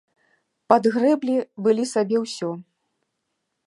Падгрэблі былі сабе ўсё.